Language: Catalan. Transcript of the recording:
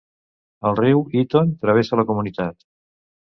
El riu Iton travessa la comunitat.